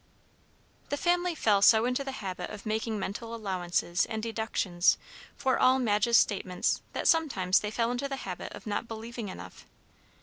The family fell so into the habit of making mental allowances and deductions for all Madge's statements that sometimes they fell into the habit of not believing enough.